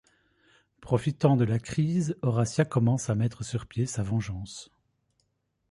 Profitant de la crise, Horacia commence à mettre sur pied sa vengeance.